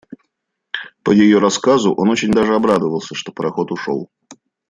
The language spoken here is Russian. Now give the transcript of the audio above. По ее рассказу, он очень даже обрадовался, что пароход ушел.